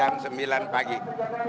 hari jumat besok